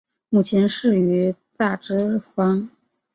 母亲是于大之方。